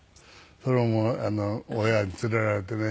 それはもう親に連れられてね。